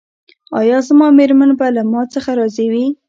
ایا زما میرمن به له ما څخه راضي وي؟